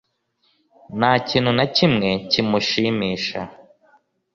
nta kintu na kimwe cy’imushimisha